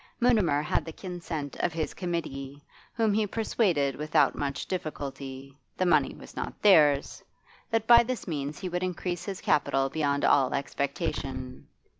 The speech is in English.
Mutimer had the consent of his committee, whom he persuaded without much difficulty the money was not theirs that by this means he would increase his capital beyond all expectation.